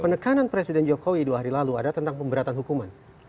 penekanan presiden jokowi dua hari lalu ada tentang pemberatan hukuman